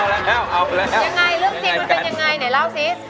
แล้วเอาไปแล้วยังไงเรื่องจริงมันเป็นยังไงไหนเล่าสิ